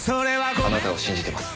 「あなたを信じてます」